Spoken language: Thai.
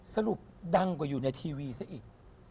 สรุปดังกว่าอยู่ในทีวีซะอีก